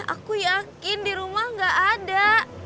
aku yakin di rumah gak ada